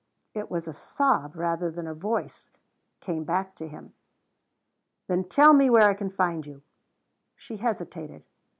It was a sob rather than a voice came back to him. "Then tell me where I can find you." She hesitated.